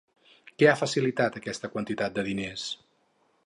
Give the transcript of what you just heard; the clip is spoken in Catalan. Què ha facilitat aquesta quantitat de diners?